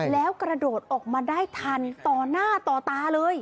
แล้วกระโดดออกมาได้ทันต่อหน้าต่อตาเลย